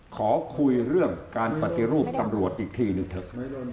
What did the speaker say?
ขอคุยเรื่องการปฏิรูปตำรวจอีกทีหนึ่งเถอะ